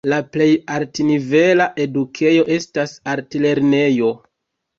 La plej altnivela edukejo estas altlernejo.